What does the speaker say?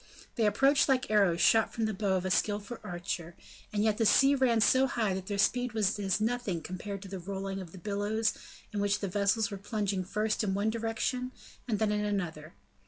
They approached like arrows shot from the bow of a skillful archer; and yet the sea ran so high that their speed was as nothing compared to the rolling of the billows in which the vessels were plunging first in one direction and then in another.